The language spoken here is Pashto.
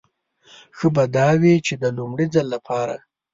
ښه به دا وي چې د لومړي ځل لپاره.